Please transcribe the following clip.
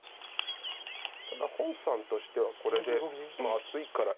ただ洪さんとしてはこれで厚いから。